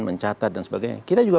mencatat dan sebagainya kita juga